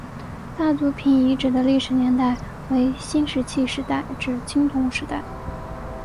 大族坪遗址的历史年代为新石器时代至青铜时代。